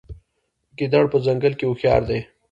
ګیدړ په ځنګل کې هوښیار دی.